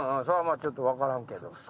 そらまあちょっとわからんけど。